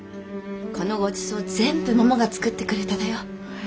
このごちそう全部ももが作ってくれただよ。